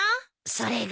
それが。